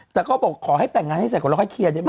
แต่ก็บอกขอให้แต่งงานให้เสร็จก่อนแล้วค่อยเคลียร์ได้ไหม